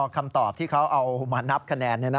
คำตอบที่เขาเอามานับคะแนน